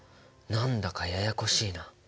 何だかややこしいなあ。